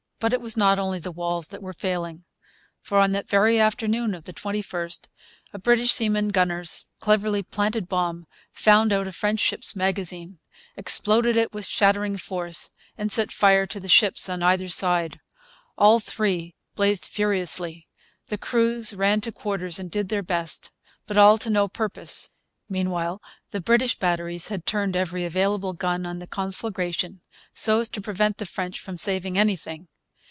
But it was not only the walls that were failing. For, that very afternoon of the 21st, a British seaman gunner's cleverly planted bomb found out a French ship's magazine, exploded it with shattering force, and set fire to the ships on either side. All three blazed furiously. The crews ran to quarters and did their best. But all to no purpose. Meanwhile the British batteries had turned every available gun on the conflagration, so as to prevent the French from saving anything.